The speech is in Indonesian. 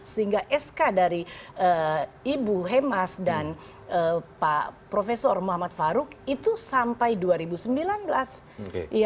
sehingga sk dari ibu hemas dan pak profesor muhammad faruk itu sampai dua ribu sembilan belas